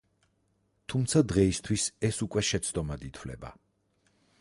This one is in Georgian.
თუმცა დღეისთვის ეს უკვე შეცდომად ითვლება.